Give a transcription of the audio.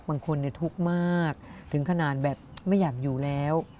บางคนทุกข์มากถึงขนาดแบบไม่อยากอยู่แล้ว